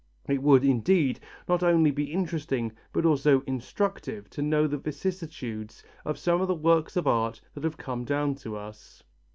It would, indeed, not only be interesting but also instructive to know the vicissitudes of some of the works of art that have come down to us.